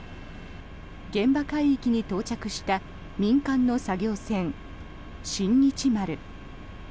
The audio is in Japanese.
現場海域に到着した民間の作業船「新日丸」。